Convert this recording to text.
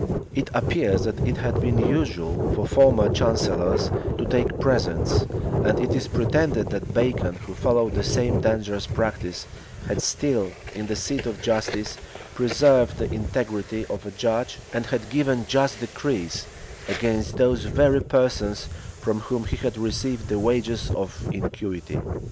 It appears that it had been usual for former chancellors to take presents; and it is pretended that Bacon, who followed the same dangerous practice, had still, in the seat of justice, preserved the integrity of a judge, and had given just decrees against those very persons from whom he had received the wages of iniquity.